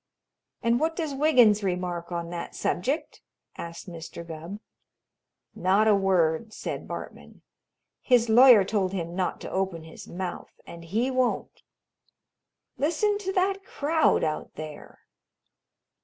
"And what does Wiggins remark on that subject?" asked Mr. Gubb. "Not a word," said Bartman. "His lawyer told him not to open his mouth, and he won't. Listen to that crowd out there!"